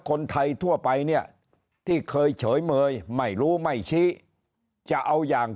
คนไทยทั่วไปเนี่ยที่เคยเฉยเมยไม่รู้ไม่ชี้จะเอาอย่าง